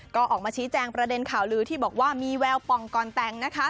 ก็ออกมาชี้แจงประเด็นข่าวลือที่บอกว่ามีแววป่องก่อนแต่งนะคะ